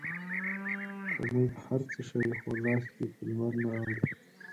سپوږمۍ که هر څه شي خو لاس یې په لمرنه اوړي